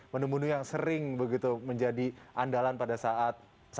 menu menu yang sering begitu menjadi andalan pada saat sahur ataupun berbuka puasa